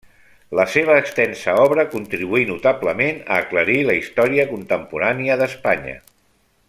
La seva extensa obra contribuí notablement a aclarir la història contemporània d'Espanya.